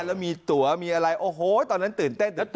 แล้วมีตัวมีอะไรโอ้โหตอนนั้นตื่นเต้นเหลือเกิน